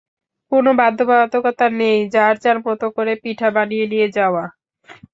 কোনো বাধ্যবাধকতা নেই, যার যার মতো করে পিঠা বানিয়ে নিয়ে যাওয়া।